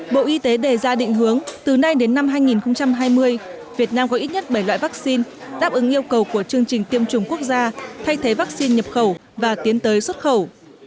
bộ y tế đề ra định hướng từ nay đến năm hai nghìn hai mươi việt nam có ít nhất bảy loại vaccine đáp ứng yêu cầu của chương trình tiêm chủng quốc gia thay thế vaccine nhập khẩu và tiến tới xuất khẩu